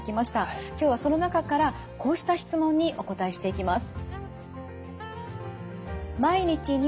今日はその中からこうした質問にお答えしていきます。